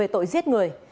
tội giết người